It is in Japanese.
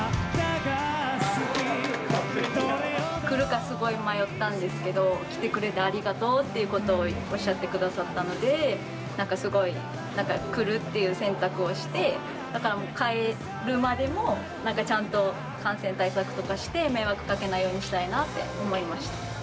来るかすごい迷ったんですけど来てくれてありがとうっていうことをおっしゃってくださったので何かすごい来るっていう選択をして帰るまでも何かちゃんと感染対策とかして迷惑かけないようにしたいなって思いました。